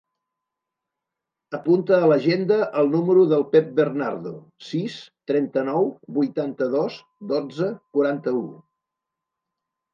Apunta a l'agenda el número del Pep Bernardo: sis, trenta-nou, vuitanta-dos, dotze, quaranta-u.